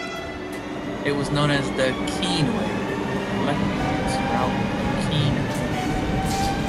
It was known as the "Keene Way," reflecting its route through Keene, New Hampshire.